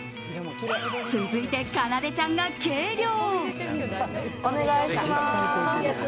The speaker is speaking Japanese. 続いて、かなでちゃんが計量。